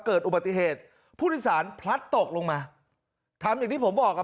เกิดอุบัติเหตุผู้โดยสารพลัดตกลงมาทำอย่างที่ผมบอกอ่ะ